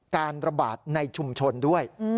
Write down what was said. การระบาดในชุมชนด้วย